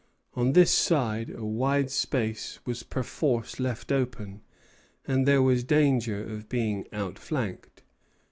On this side a wide space was perforce left open, and there was danger of being outflanked.